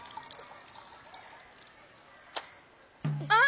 あっ！